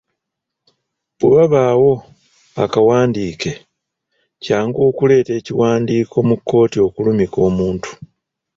Bwe wabaawo akawandiike, kyangu okuleeta ekiwandiiko mu kkoti okulumika omuntu.